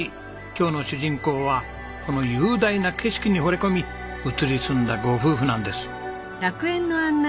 今日の主人公はこの雄大な景色にほれ込み移り住んだご夫婦なんです。